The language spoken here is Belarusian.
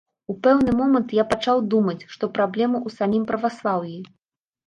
У пэўны момант я пачаў думаць, што праблема ў самім праваслаўі.